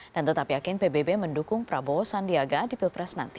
dan tetap yakin pbb mendukung prabowo sandiaga di pilpres nanti